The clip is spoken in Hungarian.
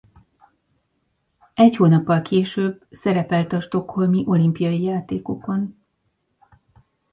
Egy hónappal később szerepelt a stockholmi olimpiai játékokon.